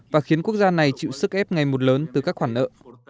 và khiến quốc gia này chịu sức ép ngày một lớn từ các khoản nợ